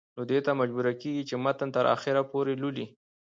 نو دې ته مجبوره کيږي چې متن تر اخره پورې لولي